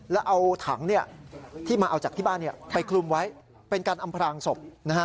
แล้วเอาถังที่มาเอาจากที่บ้านไปคลุมไว้เป็นการอำพรางศพ